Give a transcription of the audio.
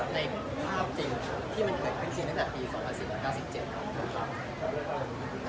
ในภาพจริงที่มันเกิดขึ้นจริงตั้งแต่ปี๒๔๙๗แล้วนะครับ